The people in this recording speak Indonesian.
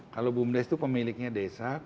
kalau bumdes itu pemiliknya desa